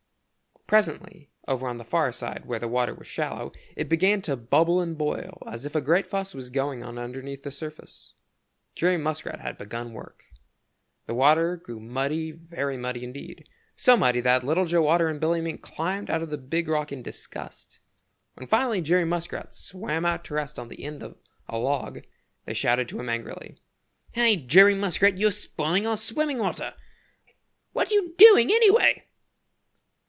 Presently, over on the far side where the water was shallow, it began to bubble and boil as if a great fuss was going on underneath the surface. Jerry Muskrat had begun work. The water grew muddy, very muddy indeed, so muddy that Little Joe Otter and Billy Mink climbed out on the Big Rock in disgust. When finally Jerry Muskrat swam out to rest on the end of a log they shouted to him angrily. "Hi, Jerry Muskrat, you're spoiling our swimming water! What are you doing anyway?"